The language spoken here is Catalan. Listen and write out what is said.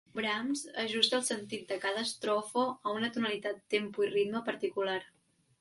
Brahms ajusta el sentit de cada estrofa a una tonalitat, tempo i ritme particular.